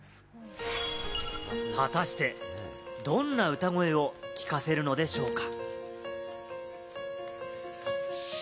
果たしてどんな歌声を聞かせるのでしょうか？